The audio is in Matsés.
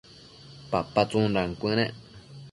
papa tsundan cuënec